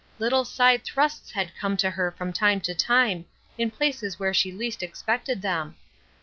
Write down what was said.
Little side thrusts had come to her from time to time in places where she least expected them.